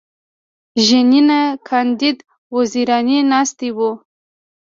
ژینینه کاندید وزیرانې ناستې وې.